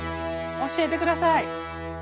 教えてください！